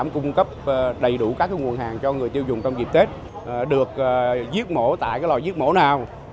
cung cấp đầy đủ các nguồn hàng cho người tiêu dùng trong dịp tết được giết mổ tại lò giết mổ nào